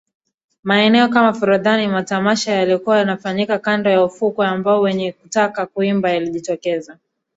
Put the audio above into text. Maeneo kama Forodhani matamasha yaliyokuwa yakifanyika kando ya ufukwe ambako wenye kutaka kuimba walijitokeza